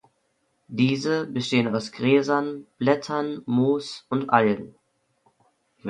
Diese bestehen aus Gräsern, Blättern, Moos und Algen.